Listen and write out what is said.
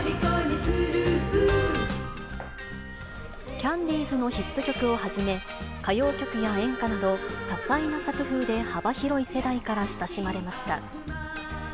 キャンディーズのヒット曲をはじめ、歌謡曲や演歌など、多彩な作風で幅広い世代から親しまれました。